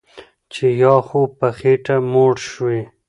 چې یا خو په خېټه موړ شوی